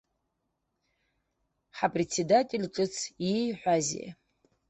Ҳапредседател ҿыц ииҳәазеи?